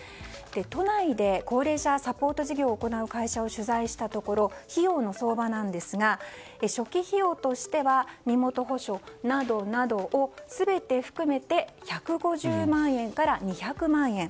都内で高齢者サポート事業を行う会社を取材したところ費用の相場なんですが初期費用としては身元保証などなどを全て含めて１５０万円から２００万円。